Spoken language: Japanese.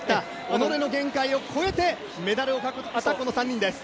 己の限界を超えてメダルを獲得した、３人です。